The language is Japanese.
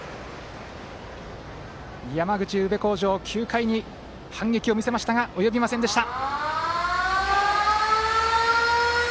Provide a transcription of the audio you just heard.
山口・宇部鴻城９回に反撃を見せましたが及びませんでした。